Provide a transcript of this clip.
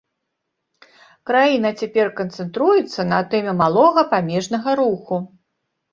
Краіна цяпер канцэнтруецца на тэме малога памежнага руху.